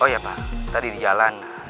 oh ya pak tadi di jalan